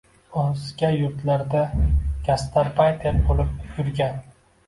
o‘zga yurtlarda gastarbayter bo‘lib yurgan